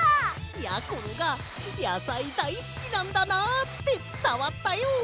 やころがやさいだいすきなんだなってつたわったよ！